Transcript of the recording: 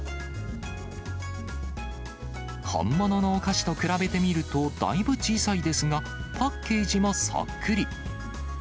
本物のお菓子と比べてみると、だいぶ小さいですが、パッケージもそっくり。